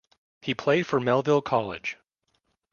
He played for Melville College.